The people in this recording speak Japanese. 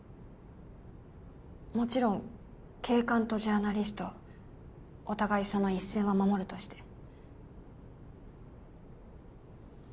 もちろん警官とジャーナリストお互いその一線は守るとして